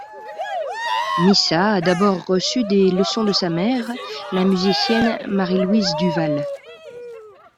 Missa a d'abord reçu des leçons de sa mère, la musicienne Marie-Louise Duval.